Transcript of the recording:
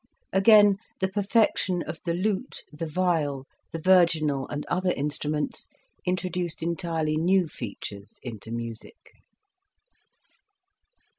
Again, the perfection of the lute, the viol, the virginal and other instruments, introduced entirely new features into music.